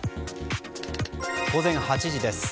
午前８時です。